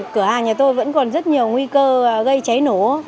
cửa hàng nhà tôi vẫn còn rất nhiều nguy cơ gây cháy nổ